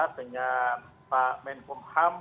dengan pak menkumham